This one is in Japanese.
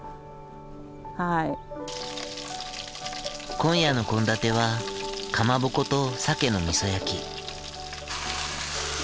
今夜の献立はかまぼことサケのみそ焼き。